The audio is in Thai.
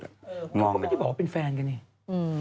เขาก็ไม่ได้บอกว่าเป็นแฟนกันเนี่ย